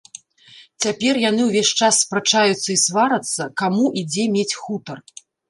Цяпер яны ўвесь час спрачаюцца і сварацца, каму і дзе мець хутар.